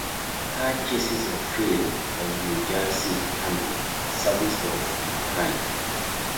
Car chases were filmed on New Jersey Turnpike service roads in Kearney.